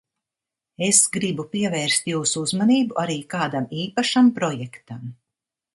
Es gribu pievērst jūsu uzmanību arī kādam īpašam projektam.